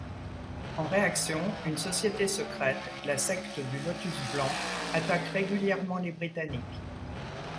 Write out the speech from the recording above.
En réaction, une société secrète, la secte du lotus blanc, attaque régulièrement les Britanniques.